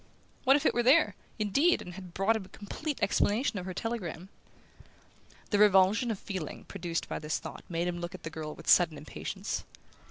What if it were there, indeed, and had brought him a complete explanation of her telegram? The revulsion of feeling produced by this thought made him look at the girl with sudden impatience.